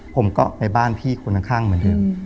ผมก็ไปบ้านพี่คนข้างเหมือนเดิม